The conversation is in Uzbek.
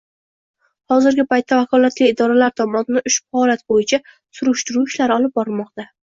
Hozirgi paytda vakolatli idoralar tomonidan ushbu holat bo‘yicha surishtiruv ishlari olib borilmoqda